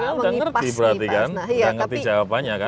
mbak desi el udah ngerti berarti kan udah ngerti jawabannya kan